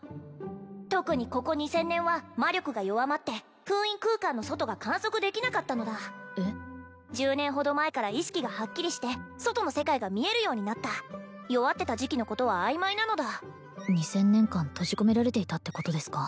特にここ２０００年は魔力が弱まって封印空間の外が観測できなかったのだ１０年ほど前から意識がはっきりして外の世界が見えるようになった弱ってた時期のことは曖昧なのだ２０００年間閉じ込められていたってことですか？